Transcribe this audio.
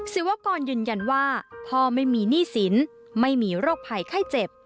ศิวากรยืนยันว่าพ่อไม่มีหนี้สินไม่มีโรคภัยไข้เจ็บ